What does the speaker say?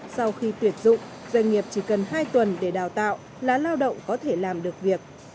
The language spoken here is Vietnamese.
sau khi tuyển dụng doanh nghiệp chỉ cần hai tuần để đào tạo là lao động có thể làm được việc